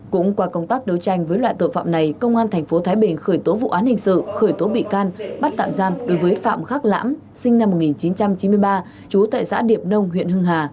cũng qua công tác đấu tranh với loại tội phạm này công an tp thái bình khởi tố vụ án hình sự khởi tố bị can bắt tạm giam đối với phạm khắc lãm sinh năm một nghìn chín trăm chín mươi ba trú tại xã điệp nông huyện hưng hà